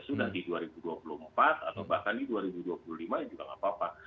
sudah di dua ribu dua puluh empat atau bahkan di dua ribu dua puluh lima juga nggak apa apa